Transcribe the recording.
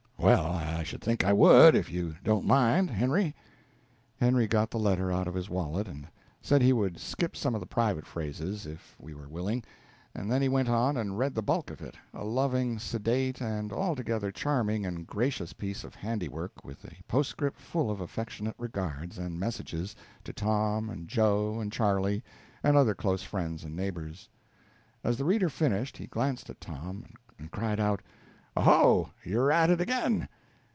"Well, I should think I would, if you don't mind, Henry!" Henry got the letter out of his wallet, and said he would skip some of the private phrases, if we were willing; then he went on and read the bulk of it a loving, sedate, and altogether charming and gracious piece of handiwork, with a postscript full of affectionate regards and messages to Tom, and Joe, and Charley, and other close friends and neighbors. As the reader finished, he glanced at Tom, and cried out: "Oho, you're at it again!